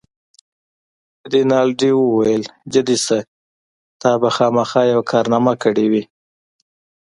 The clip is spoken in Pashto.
رینالډي وویل: جدي شه، تا به خامخا یوه کارنامه کړې وي.